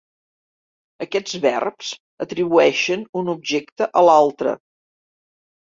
Aquests verbs atribueixen un objecte a l'altre.